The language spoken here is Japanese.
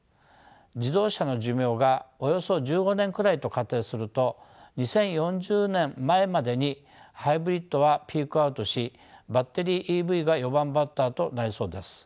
自動車の寿命がおよそ１５年くらいと仮定すると２０４０年前までにハイブリッドはピークアウトしバッテリーＥＶが四番バッターとなりそうです。